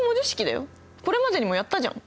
これまでにもやったじゃん。